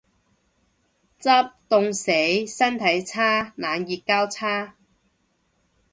執，凍死。身體差。冷熱交叉